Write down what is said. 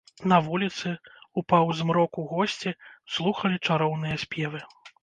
На вуліцы, у паўзмроку госці слухалі чароўныя спевы.